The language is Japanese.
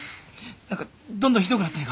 何かどんどんひどくなってねえか？